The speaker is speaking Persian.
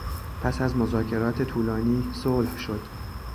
پس از مذاکرات طولانی صلح شد.